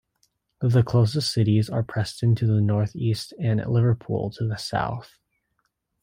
The closest cities are Preston to the north east and Liverpool to the south.